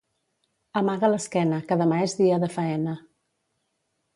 Amaga l'esquena que demà és dia de faena.